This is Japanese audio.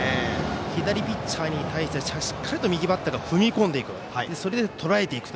左ピッチャーに対してしっかりと右バッターが踏み込んでいく。